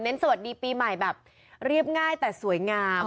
สวัสดีปีใหม่แบบเรียบง่ายแต่สวยงาม